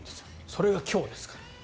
それが今日ですから。